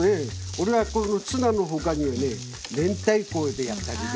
俺はこのツナの他にめんたいこでやったりね。